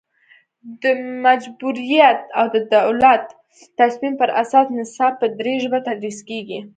د مجبوریت او د دولت تصمیم پر اساس نصاب په دري ژبه تدریس کیږي